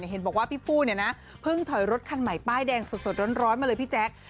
เห็นบอกว่าพี่ผู้เพิ่งถอยรถคันใหม่ป้ายแดงสดร้อนมาเลยพี่แจ๊ค